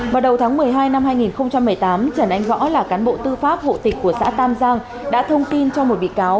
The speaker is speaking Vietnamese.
vào đầu tháng một mươi hai năm hai nghìn một mươi tám trần anh võ là cán bộ tư pháp hộ tịch của xã tam giang đã thông tin cho một bị cáo